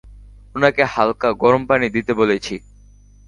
উনাকে হাল্কা গরম পানি দিতে বলেছি।